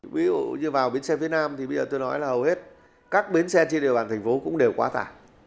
ví dụ như vào bến xe phía nam thì bây giờ tôi nói là hầu hết các bến xe trên địa bàn thành phố cũng đều quá tải